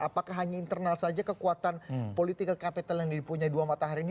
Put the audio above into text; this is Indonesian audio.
apakah hanya internal saja kekuatan politikal kapital yang dipunya dua matahari ini